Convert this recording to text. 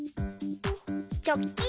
チョッキン！